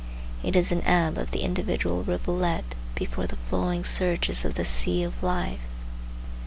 It is an ebb of the individual rivulet before the flowing surges of the sea of life.